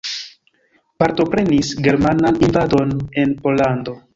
Partoprenis germanan invadon en Pollando.